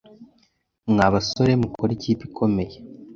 Mwa basore mukora ikipe ikomeye.